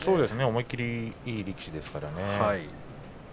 思い切りのいい力士ですからね。